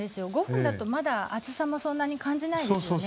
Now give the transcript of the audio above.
５分だとまだ暑さもそんなに感じないですよね。